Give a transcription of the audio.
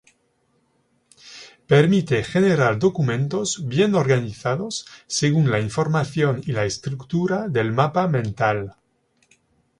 Permite generar documentos bien organizados según la información y la estructura del mapa mental.